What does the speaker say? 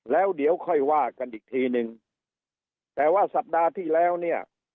แล้วเดี๋ยวค่อยว่ากันอีกทีนึงแต่ว่าสัปดาห์ที่แล้วเนี่ย